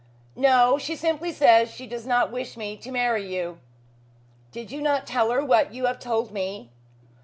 "No. She simply says she does not wish me to marry you." "Did you not tell her what you have told me?"